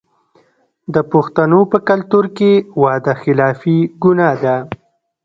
د پښتنو په کلتور کې وعده خلافي ګناه ده.